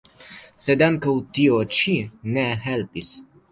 Sed ankaŭ tio ĉi ne helpis.